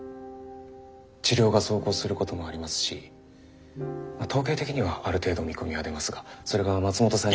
治療が奏功することもありますし統計的にはある程度見込みは出ますがそれが松本さんに。